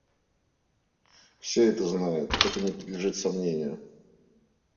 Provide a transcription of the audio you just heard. Все это знают; это не подлежит сомнению.